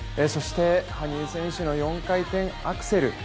そして羽生選手の４回転アクセル